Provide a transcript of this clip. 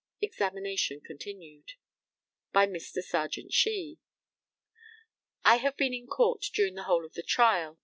Examination continued by Mr. Serjeant Shee: I have been in court during the whole of the trial.